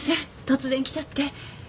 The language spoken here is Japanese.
突然来ちゃって。